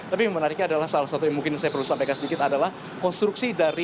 tapi yang menariknya adalah salah satu yang mungkin saya perlu sampaikan sedikit adalah konstruksi dari